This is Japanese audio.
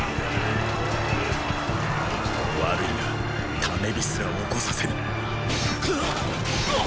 悪いが種火すら起こさせぬくっ！